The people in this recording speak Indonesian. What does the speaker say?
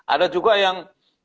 ada juga yang